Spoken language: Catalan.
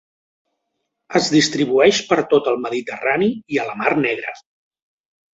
Es distribueix per tot el Mediterrani i a la Mar Negra.